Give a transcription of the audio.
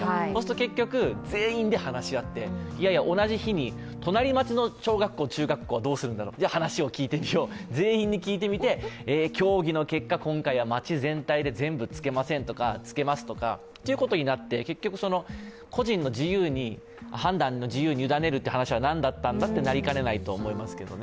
結局、全員で話し合って、同じ日に隣町の小学校、中学校はどうするんだろう、話を聞いてみよう、全員に聞いてみて、協議の結果、今回は町全体で全部着けませんとか着けますとか結局、個人の判断の自由に委ねるという話は何だったんだとなりかねないと思いますけどね。